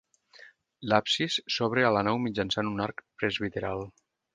L'absis s'obre a la nau mitjançant un arc presbiteral.